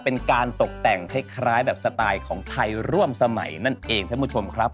เป็นการตกแต่งคล้ายแบบสไตล์ของไทยร่วมสมัยนั่นเองท่านผู้ชมครับ